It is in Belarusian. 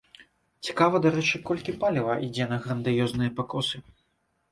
Цікава, дарэчы, колькі паліва ідзе на грандыёзныя пакосы?